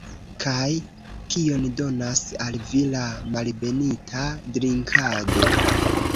Kaj kion donas al vi la malbenita drinkado?